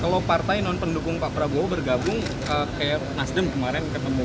kalau partai non pendukung pak prabowo bergabung kayak nasdem kemarin ketemu